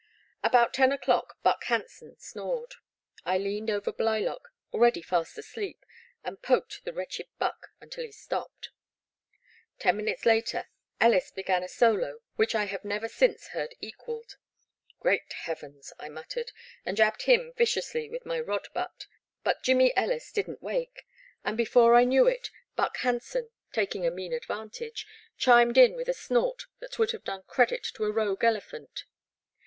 About ten o'clock Buck Hanson snored. I leaned over Blylock, already fast asleep, and poked the wretched Buck until he stopped. Ten minutes later Bllis began a solo which I have never since heard equalled. Great heavens !" I muttered, and jabbed him viciously with my rod butt, but Jimmy Ellis did n't wake, and before I knew it. Buck Han son, taking a mean advantage, chimed in with a snort that would have done credit to a rogue ele phant.